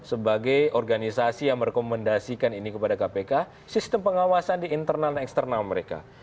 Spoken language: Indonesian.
sebagai organisasi yang merekomendasikan ini kepada kpk sistem pengawasan di internal dan eksternal mereka